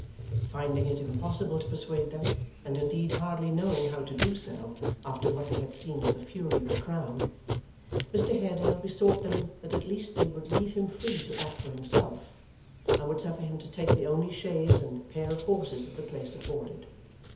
Finding it impossible to persuade them, and indeed hardly knowing how to do so after what they had seen of the fury of the crowd, Mr Haredale besought them that at least they would leave him free to act for himself, and would suffer him to take the only chaise and pair of horses that the place afforded.